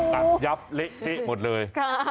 ค่ะโอ้โฮหมดเลย